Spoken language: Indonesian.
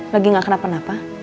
lagi gak kenapa kenapa